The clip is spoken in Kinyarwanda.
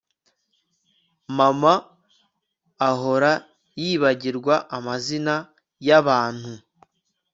Mama ahora yibagirwa amazina yabantu